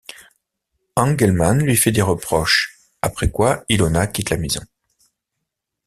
Engelmann lui fait des reproches, après quoi Ilona quitte la maison.